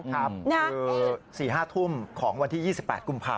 คือ๔๕ทุ่มของวันที่๒๘กุมภาพ